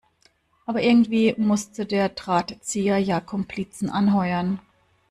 Aber irgendwie musste der Drahtzieher ja Komplizen anheuern.